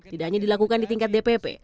tidak hanya dilakukan di tingkat dpp